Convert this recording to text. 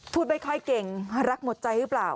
พูดไม่ค่อยเก่งรักหมดใจหรือเปล่า